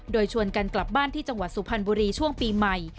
โดยชวนกันกลับบ้านที่จังหวัดสุพรรณบุรีช่วงปีใหม่